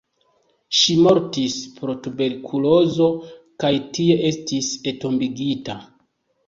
Ŝi mortis pro tuberkulozo kaj tie estis entombigita.